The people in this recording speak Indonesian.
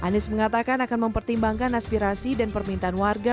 anies mengatakan akan mempertimbangkan aspirasi dan permintaan warga